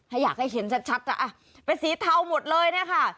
ถ้าอยากให้เห็นชัดอ่ะเป็นสีเทาหมดเลยนะคะ